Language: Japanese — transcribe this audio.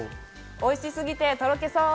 おいしすぎて、とろけそう。